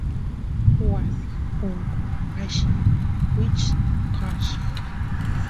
wasi punku alli wichkasq